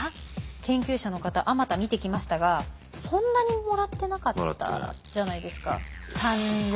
研究者の方あまた見てきましたがそんなにもらってなかったじゃないですか。